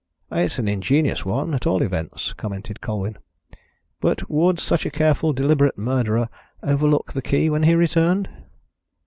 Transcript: "It's an ingenious one, at all events," commented Colwyn. "But would such a careful deliberate murderer overlook the key when he returned?"